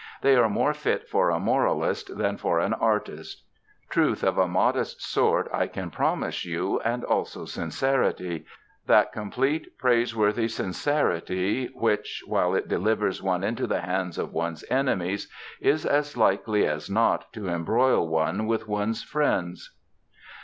They are more fit for a moralist than for an artist. Truth of a modest sort I can promise you, and also sincerity. That complete, praiseworthy sincerity which, while it delivers one into the hands of one's enemies, is as likely as not to embroil one with one's friends.